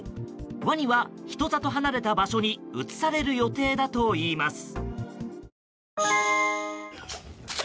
ワニは人里離れた場所に移される予定だといいます。